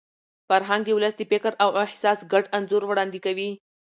فرهنګ د ولس د فکر او احساس ګډ انځور وړاندې کوي.